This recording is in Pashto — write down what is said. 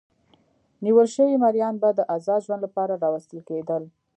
نیول شوي مریان به د ازاد ژوند لپاره راوستل کېدل.